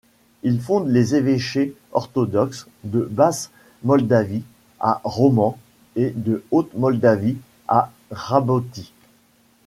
Il fonde les évêchés orthodoxes de Basse-Moldavie à Roman et de Haute-Moldavie à Rǎdǎuṭi.